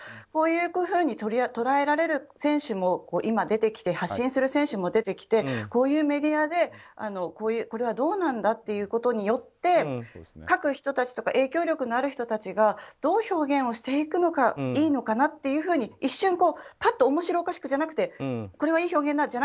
こういうふうに捉えられる選手も今出てきて発信する選手も出てきてこういうメディアでこれはどうなんだということによって書く人たちや影響力のある人たちがどう表現をしていくのがいいのかなって一瞬、面白おかしくじゃなくてこれはいい表現だ！